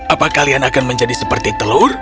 apa kalian akan menjadi seperti telur